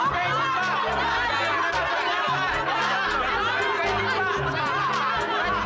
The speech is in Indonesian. kita semua mau keluar